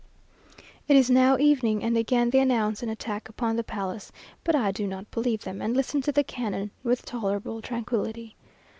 It is now evening, and again they announce an attack upon the palace, but I do not believe them, and listen to the cannon with tolerable tranquillity.